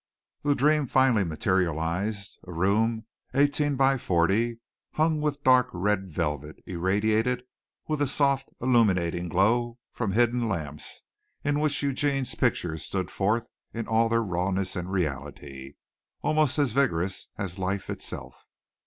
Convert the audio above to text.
The dream finally materialized a room eighteen by forty, hung with dark red velvet, irradiated with a soft, illuminating glow from hidden lamps in which Eugene's pictures stood forth in all their rawness and reality almost as vigorous as life itself.